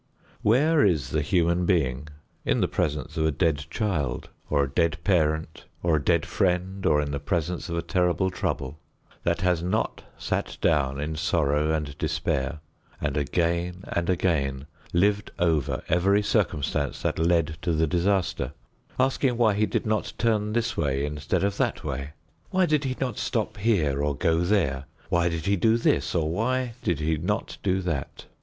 Where is the human being, in the presence of a dead child or a dead parent or a dead friend or in the presence of a terrible trouble, that has not sat down in sorrow and despair and again and again lived over every circumstance that led to the disaster, asking why he did not turn this way instead of that way? Why did he not stop here, or go there; why did he do this or why did he not do that?